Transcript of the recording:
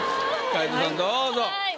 皆藤さんどうぞ。